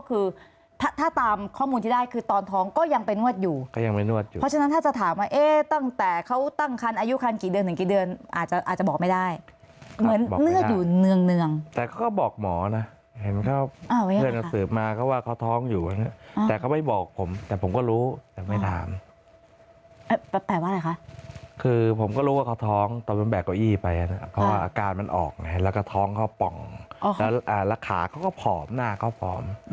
คือถ้าตามข้อมูลที่ได้คือตอนท้องก็ยังไปนวดอยู่ก็ยังไปนวดอยู่เพราะฉะนั้นถ้าจะถามว่าเอ๊ะตั้งแต่เขาตั้งคันอายุคันกี่เดือนถึงกี่เดือนอาจจะอาจจะบอกไม่ได้เหมือนเนื้ออยู่เนื่องเนื่องแต่เขาก็บอกหมอนะเห็นเขาเพื่อนเขาสืบมาเขาว่าเขาท้องอยู่แบบนี้แต่เขาไม่บอกผมแต่ผมก็รู้แต่ไม่ถามแปลว่าอะไรคะคือผมก็รู้ว่าเขาท้อง